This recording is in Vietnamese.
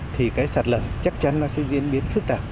thì cái sạt lở chắc chắn nó sẽ diễn biến phức tạp